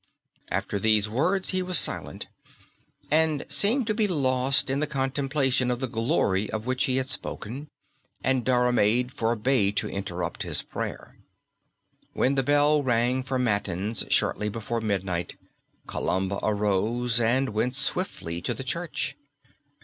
After these words he was silent, and seemed to be lost in the contemplation of the glory of which he had spoken, and Diarmaid forbore to interrupt his prayer. When the bell rang for matins shortly before midnight, Columba arose, and went swiftly to the church.